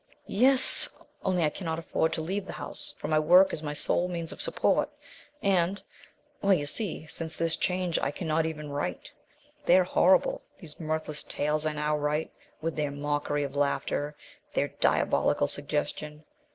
"Yes. Only I cannot afford to leave the house, for my work is my sole means of support, and well, you see, since this change I cannot even write. They are horrible, these mirthless tales I now write, with their mockery of laughter, their diabolical suggestion.